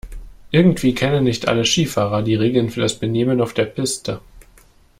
Irgendwie kennen nicht alle Skifahrer die Regeln für das Benehmen auf der Piste.